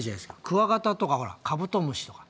クワガタとかほらカブトムシとか。